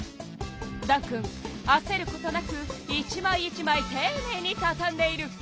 暖くんあせることなく１まい１まいていねいにたたんでいる。